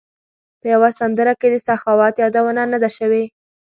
په یوه سندره کې د سخاوت یادونه نه ده شوې.